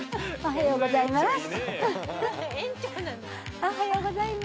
おはようございます。